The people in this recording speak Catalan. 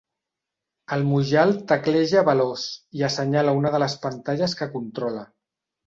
El Mujal tecleja veloç i assenyala una de les pantalles que controla.